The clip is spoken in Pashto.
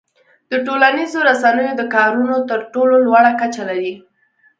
د ټولنیزو رسنیو د کارولو تر ټولو لوړه کچه لري.